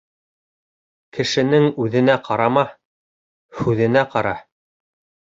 Кешенең үҙенә ҡарама, һүҙенә ҡара.